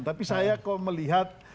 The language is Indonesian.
tapi saya kalau melihat